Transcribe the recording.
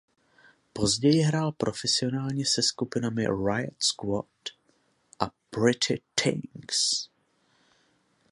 Později hrál profesionálně se skupinami Riot Squad a Pretty Things.